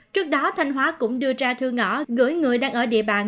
trước đó thanh hóa cũng đưa ra thư ngõ gửi người đang ở địa bàn